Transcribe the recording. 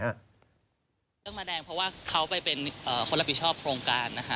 เรื่องมาแดงเพราะว่าเขาไปเป็นคนรับผิดชอบโครงการนะคะ